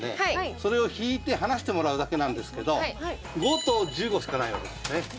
それを引いて離してもらうだけなんだけど５と１５しかないの。